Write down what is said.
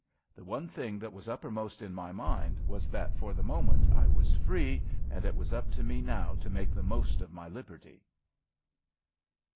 The one thing that was uppermost in my mind was that for the moment I was free and it was up to me now to make the most of my liberty.